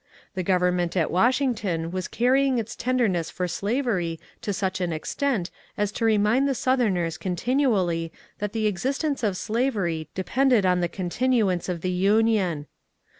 The government at Washington was carrying its tenderness for slavery to such an extent as to remind the Southerners continually that the existence of slavery depended on the continuance of the Union.